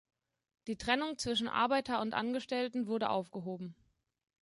Die Trennung zwischen Arbeiter und Angestellten wurde aufgehoben.